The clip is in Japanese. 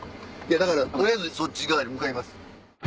だから取りあえずそっち側に向かいます。